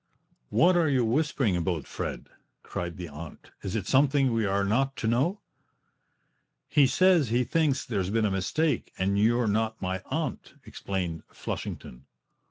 "What are you whispering about, Fred?" cried the aunt. "Is it something we are not to know?" "He says he thinks there's been a mistake, and you're not my aunt," explained Flushington.